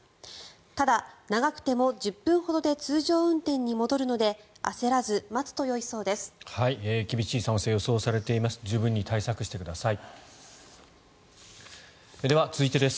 ただ、長くても１０分ほどで通常運転に戻るので焦らず待つとよいそうです。